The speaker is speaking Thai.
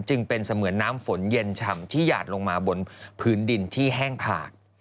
จึงเป็นเสมือนน้ำฝนเย็นฉ่ำที่หยาดลงมาบนพื้นดินที่แห้งผาก